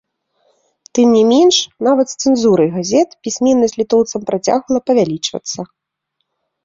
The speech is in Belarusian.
Тым не менш, нават з цэнзурай газет пісьменнасць літоўцаў працягвала павялічвацца.